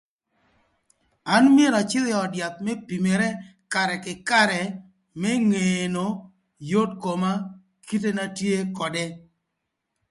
An myero acïdhï ï öd yath më pimere karë kï karë më ngeno yot koma kite na tye ködë